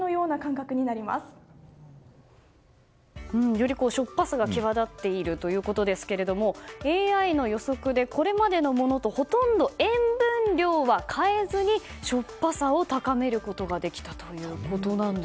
よりしょっぱさが際立っているということですがＡＩの予測でこれまでのものとほとんど塩分量は変えずにしょっぱさを高めることができたということなんです。